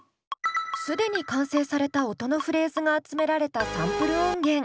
既に完成された音のフレーズが集められたサンプル音源。